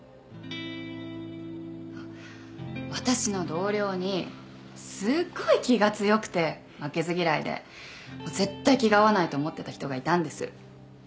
私の同僚にすごい気が強くて負けず嫌いで絶対気が合わないと思ってた人がいたんです。